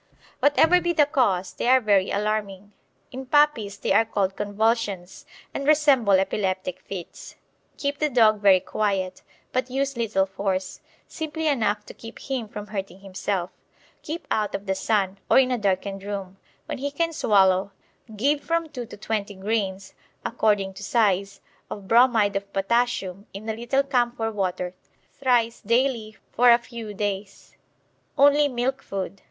Whatever be the cause, they are very alarming. In puppies they are called Convulsions, and resemble epileptic fits. Keep the dog very quiet, but use little force, simply enough to keep him from hurting himself. Keep out of the sun, or in a darkened room. When he can swallow give from 2 to 20 grains (according to size) of bromide of potassium in a little camphor water thrice daily for a few days. Only milk food.